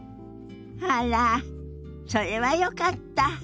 あらそれはよかった。